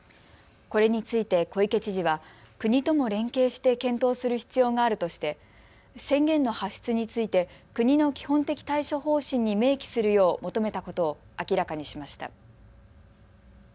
これについて小池知事は国とも連携して検討する必要があるとして宣言の発出について国の基本的対処方針に明記するよう求めたことを明らかにしました。